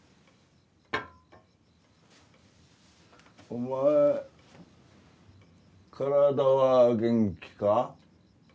お前身体は元気か。